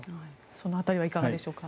その辺りはいかがでしょうか。